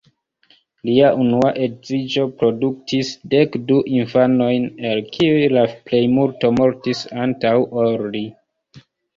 Lia unua edziĝo produktis dekdu infanojn, el kiuj la plejmulto mortis antaŭ ol li.